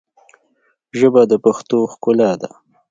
ژبه د پښتو ښکلا ده